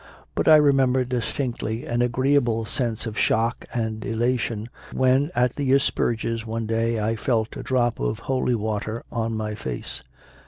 But I re member distinctly an agreeable sense of shock and elation when at the Asperges one day I felt a drop of holy water on my face.